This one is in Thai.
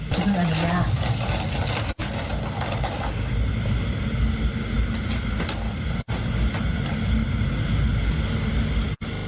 มันมีอะไรอย่างนี้อ่ะ